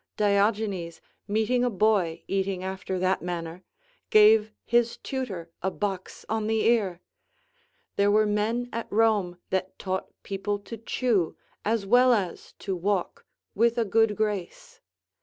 Diogenes, meeting a boy eating after that manner, gave his tutor a box on the ear! There were men at Rome that taught people to chew, as well as to walk, with a good grace.